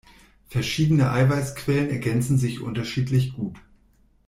Verschiedene Eiweißquellen ergänzen sich unterschiedlich gut.